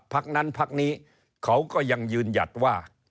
พักนั้นพักนี้เขาก็ยังยืนหยัดว่า